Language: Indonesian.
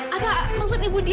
apa maksud ibu dia